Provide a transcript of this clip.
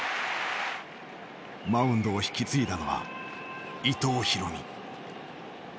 マウンドを引き継いだのは伊藤大。